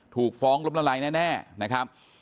ถูกฟ้องล้มละลายแน่นะครับ